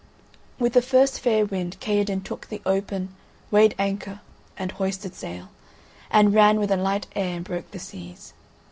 With the first fair wind Kaherdin took the open, weighed anchor and hoisted sail, and ran with a light air and broke the seas.